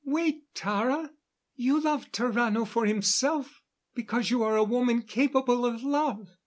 "Wait, Tara! You love Tarrano for himself because you are a woman capable of love.